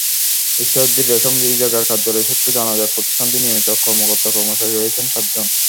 ঈশ্বরদীর রেশম বীজাগার কার্যালয় সূত্রে জানা যায়, প্রতিষ্ঠানটিতে নিয়মিত কর্মকর্তা-কর্মচারী রয়েছেন সাতজন।